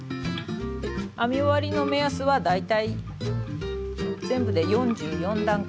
編み終わりの目安は大体全部で４４段くらい。